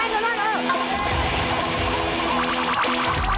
โอ้โฮโอ้โฮโอ้โฮ